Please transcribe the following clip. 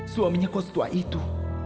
suaminya kos tua itu